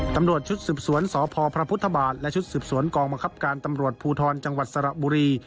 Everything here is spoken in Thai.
ตำรวจชุดสืบสวนสพพระพุทธบาทและชุดสืบสวนกองบังคับการตำรวจภูทรจังหวัดสระบุรี